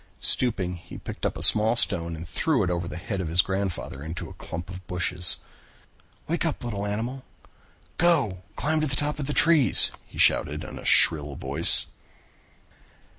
Stooping, he picked up a small stone and threw it over the head of his grandfather into a clump of bushes. "Wake up, little animal. Go and climb to the top of the trees," he shouted in a shrill voice.